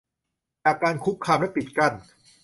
จากการคุกคามและปิดกั้น